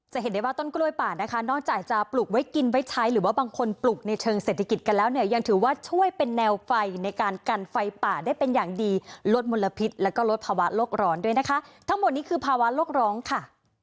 เห็นได้ว่าต้นกล้วยป่านะคะนอกจากจะปลูกไว้กินไว้ใช้หรือว่าบางคนปลูกในเชิงเศรษฐกิจกันแล้วเนี่ยยังถือว่าช่วยเป็นแนวไฟในการกันไฟป่าได้เป็นอย่างดีลดมลพิษแล้วก็ลดภาวะโลกร้อนด้วยนะคะทั้งหมดนี้คือภาวะโลกร้องค่ะ